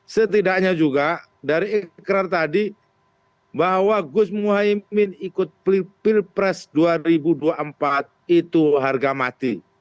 setidaknya juga dari ikrar tadi bahwa gus muhaymin ikut pilpres dua ribu dua puluh empat itu harga mati